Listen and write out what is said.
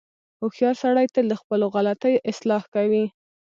• هوښیار سړی تل د خپلو غلطیو اصلاح کوي.